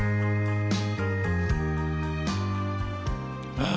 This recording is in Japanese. ああ。